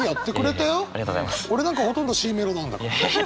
俺なんかほとんどＣメロなんだから。